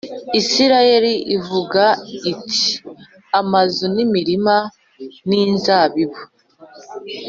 Isirayeli ivuga iti Amazu n imirima n inzabibu